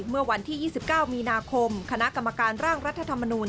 เมื่อวันที่๒๙มีนาคมคณะกรรมการร่างรัฐธรรมนูล